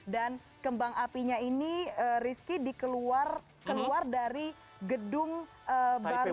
dan kembang apinya ini riski dikeluar dari gedung baru